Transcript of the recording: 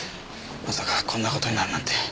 まさかこんなことになるなんて。